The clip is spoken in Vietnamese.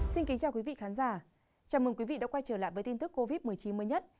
xin kính chào quý vị khán giả chào mừng quý vị đã quay trở lại với tin tức covid một mươi chín mới nhất